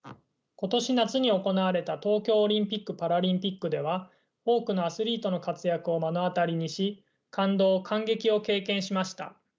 今年夏に行われた東京オリンピックパラリンピックでは多くのアスリートの活躍を目の当たりにし感動感激を経験しました。